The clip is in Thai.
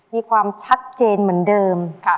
มีความชัดเจนเหมือนเดิม